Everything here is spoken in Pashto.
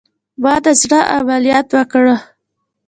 ما د زړه عملیات وکړه